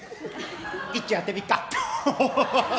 いっちょやってみっか！